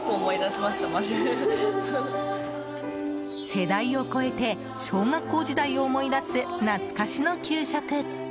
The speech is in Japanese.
世代を超えて小学校時代を思い出す懐かしの給食。